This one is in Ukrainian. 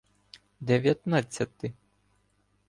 Дев'ятнадцяти